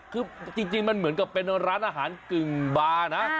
คือจริงมันเหมือนกับเป็นร้านอาหารกึ่งบาร์นะ